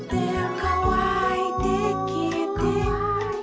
「かわいてきえて」